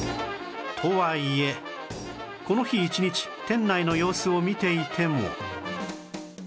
とはいえこの日一日店内の様子を見ていても